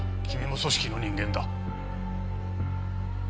君も組織の人間だ。